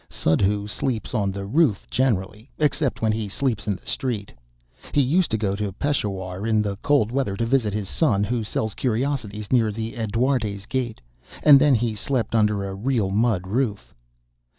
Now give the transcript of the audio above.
Suddhoo sleeps on the roof generally, except when he sleeps in the street. He used to go to Peshawar in the cold weather to visit his son, who sells curiosities near the Edwardes' Gate, and then he slept under a real mud roof.